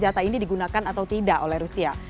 apakah senjata ini digunakan atau tidak oleh rusia